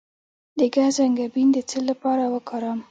د ګز انګبین د څه لپاره وکاروم؟